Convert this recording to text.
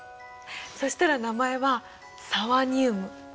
そしたら名前はサワニウム！